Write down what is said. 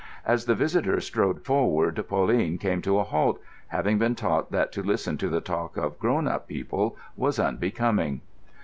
As the visitor strode forward Pauline came to a halt, having been taught that to listen to the talk of grown up people was unbecoming.